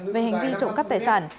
về hành vi trộm cắp tài sản